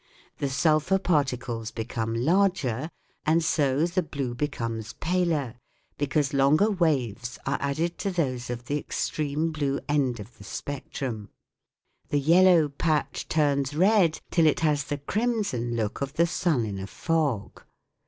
The sulphur particles become larger, and so the blue becomes paler, because longer waves are added to those of the extreme blue end of the spectrum ; the yellow patch turns red, till it has the crimson look of the sun in a fog.